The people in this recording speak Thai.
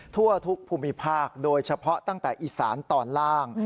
ทั่วทุกภูมิภาคโดยเฉพาะตั้งแต่อีสานตอนล่าง